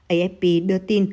afp đưa tin